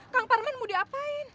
kang parman mau diapain